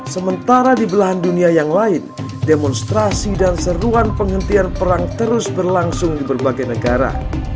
sementara di belahan dunia yang lain demonstrasi dan seruan penghentian perang terus berlangsung di berbagai negara